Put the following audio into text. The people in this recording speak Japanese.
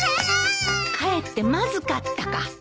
かえってまずかったか。